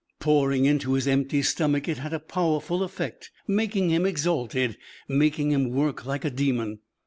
Pouring into his empty stomach, it had a powerful effect, making him exalted, making him work like a demon.